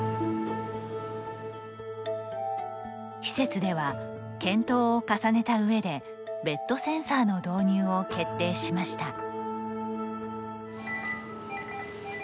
施設では検討を重ねた上でベッドセンサーの導入を決定しました。